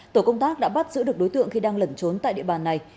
tổ công tác đã bắt giữ được đối tượng khi đang lẩn trốn tại địa bàn này